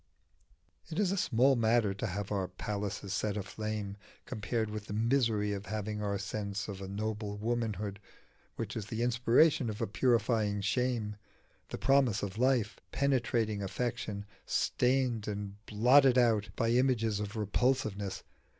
_" It is a small matter to have our palaces set aflame compared with the misery of having our sense of a noble womanhood, which is the inspiration of a purifying shame, the promise of life penetrating affection, stained and blotted out by images of repulsiveness.